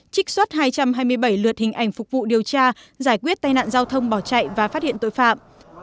trích xuất hai trăm hai mươi bảy lượt hình ảnh phục vụ điều tra giải quyết tai nạn giao thông bỏ chạy và phát hiện tội phạm